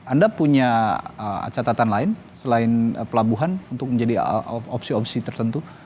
anda punya catatan lain selain pelabuhan untuk menjadi opsi opsi tertentu